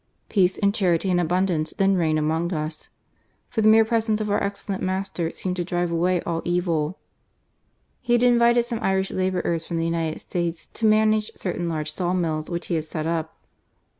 Peace and charity and abundance then reigned ; GARCIA MORENO. B— (DF US ; for the mere presence of our excellent *■ seemed to drive away all evil," had invited some Irish labourers from the !d States to manage certain large saw mills which he had set up.